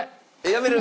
やめる。